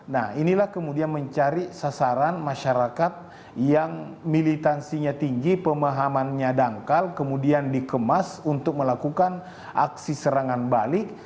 nah inilah kemudian mencari sasaran masyarakat yang militansinya tinggi pemahamannya dangkal kemudian dikemas untuk melakukan aksi serangan balik